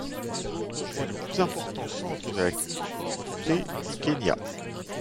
C'est le plus important centre de la culture du thé du Kenya.